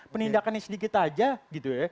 penindakannya sedikit aja gitu ya